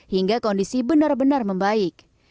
hingga kondisi benar benar membaik